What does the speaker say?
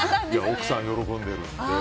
奥さん喜んでるんで。